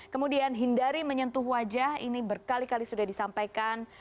kemudian hindari menyentuh wajah ini berkali kali sudah disampaikan